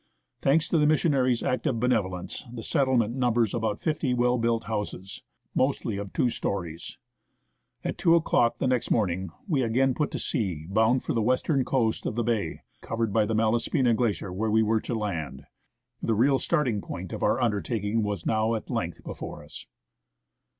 Thanks to the missionary's active benevolence, the settlement numbers about fifty well built houses, mostly of two storeys. At 2 o'clock the next morning we again put to sea, bound for the western coast of the bay, covered by the Malaspina Glacier, where we were to land. The real starting point of our undertaking was now at length before us.